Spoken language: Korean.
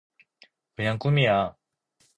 그냥 꿈이야.